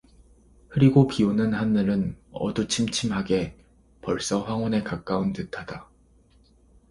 흐리고 비 오는 하늘은 어둠침침하게 벌써 황혼에 가까운 듯하다.